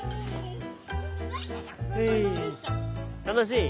楽しい？